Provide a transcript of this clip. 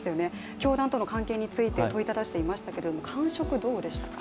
教団との関係について問いただしていたんですけれども、感触、どうでしたか？